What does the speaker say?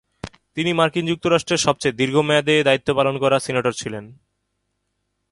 তিনি মার্কিন যুক্তরাষ্ট্রের সবচেয়ে দীর্ঘ মেয়াদে দায়িত্ব পালন করা সিনেটর ছিলেন।